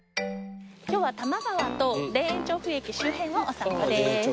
今日は多摩川と田園調布駅周辺をお散歩です。